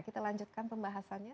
kita lanjutkan pembahasannya